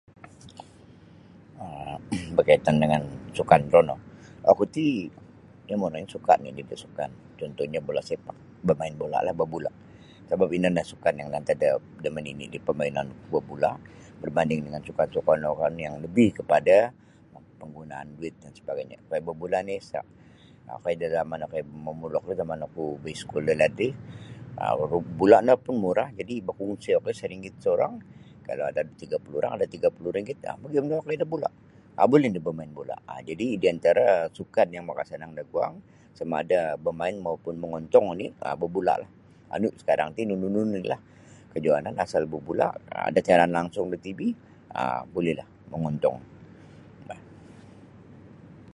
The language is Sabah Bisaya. um Bakaitan dangan sukan ro no oku ti yang monongnyo suka ni basukan contohnya bola sepak bamain bula la babula sabab ino nio sukan yang antad da manini da parmainan babula berbanding dengan sukan-sukan wokon yang lebih kepada panggunaan duit dan sebagainya babula ti isa okoi da zaman mamulok ri zaman oku baiskul dalaid ri bula no pun murah jadi bakungsi okoi saringgit saorang kalau ada tiga puluh orang ada tiga puluh ringgit um magium lah okoi da bula um buli nio bamain bula um jadi di antara sukan yang makasanang da guang samada bamain mau pun mongontong oni[um] babula la anu sakarang ti nunu nilah kajohanan asal babula ada siaran langsung da TV um buli lah mongontong bah.